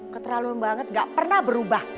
keterlaluan banget gak pernah berubah